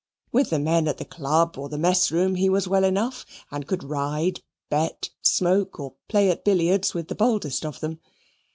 With the men at the Club or the mess room, he was well enough; and could ride, bet, smoke, or play at billiards with the boldest of them.